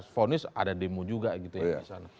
fonis ada demo juga gitu ya